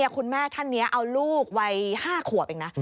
คุณแม่ท่านนี้เอาลูกวัย๕ขวบเองนะ